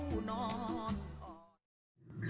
หนุ่มนานนครพนมออนซอนอีสาน